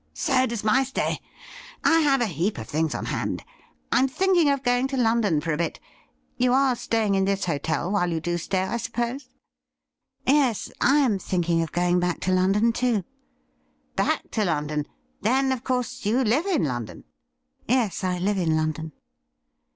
' So does my stay. I have a heap of things on hand. Fm thinking of going to London for a bit. You are stay ing in this hotel while you do stay, I suppose .''' Yes. I am thinking of going back to London, too.' ' Back to London ? Then, of course, you live in London .f" ' Yes, I live in London.'